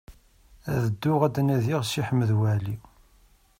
Ad dduɣ ad d-nadiɣ Si Ḥmed Waɛli.